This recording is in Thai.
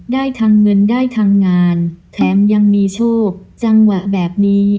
ได้ทางเงินได้ทางงานแถมยังมีโชคจังหวะแบบนี้